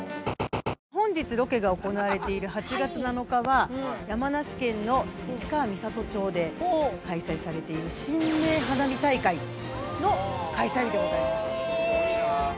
◆本日、ロケが行われている８月７日は山梨県の市川三郷町で開催されている神明花火大会の開催日でございます。